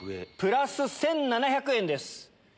プラス１７００円です。